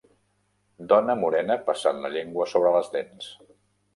Dona morena passant la llengua sobre les dents.